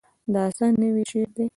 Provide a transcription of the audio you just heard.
دا څه نوي شی دی؟